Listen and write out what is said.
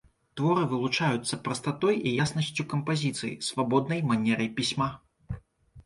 Творы вылучаюцца прастатой і яснасцю кампазіцыі, свабоднай манерай пісьма.